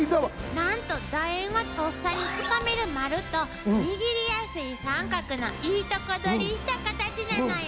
なんとだ円はとっさにつかめる丸と握りやすい三角のいいとこ取りしたカタチなのよ。